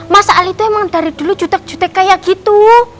masa ali itu emang dari dulu jutek jutek kayak gitu